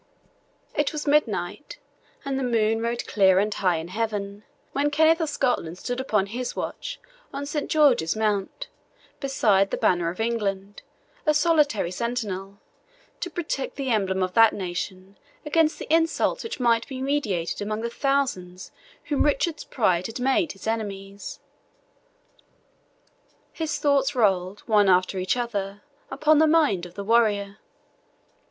It was midnight, and the moon rode clear and high in heaven, when Kenneth of Scotland stood upon his watch on Saint George's Mount, beside the banner of England, a solitary sentinel, to protect the emblem of that nation against the insults which might be meditated among the thousands whom Richard's pride had made his enemies. High thoughts rolled, one after each other, upon the mind of the warrior.